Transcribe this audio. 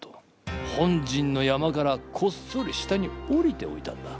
ほんじんの山からこっそり下に下りておいたんだ。